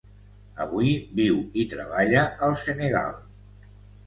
Avui viu i treballa al Senegal.